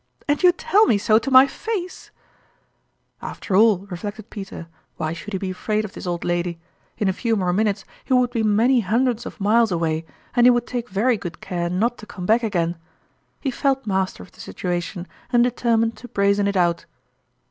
" And you tell me so to my face ?" After all, reflected Peter, why should he be afraid of this old lady ? In a few more min utes he would be many hundreds of miles away, and he would take very good care not to come back again. He felt master of the situation, and determined to brazen it out.